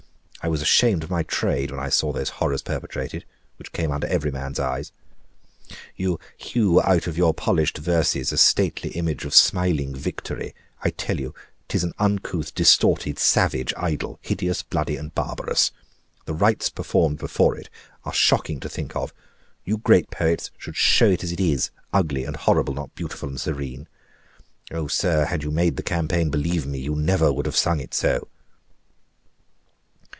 I was ashamed of my trade when I saw those horrors perpetrated, which came under every man's eyes. You hew out of your polished verses a stately image of smiling victory; I tell you 'tis an uncouth, distorted, savage idol; hideous, bloody, and barbarous. The rites performed before it are shocking to think of. You great poets should show it as it is ugly and horrible, not beautiful and serene. Oh, sir, had you made the campaign, believe me, you never would have sung it so."